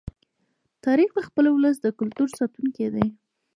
تاریخ د خپل ولس د کلتور ساتونکی دی.